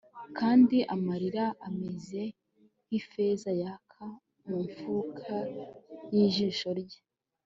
Kandi amarira ameze nkifeza yaka mu mfuruka yijisho rye